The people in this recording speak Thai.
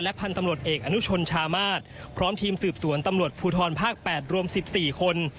และพันธุ์ตำลดเอกอนุชนชามาธพร้อมทีมสืบสวนตำลวดพูทรภาคแปดรวมสิบสี่คน